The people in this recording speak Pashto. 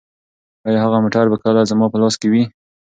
ایا هغه موټر به کله زما په لاس کې وي؟